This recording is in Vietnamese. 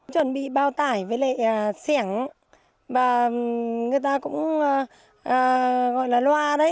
chuẩn bị bao tải với lại xẻng và người ta cũng gọi là loa đấy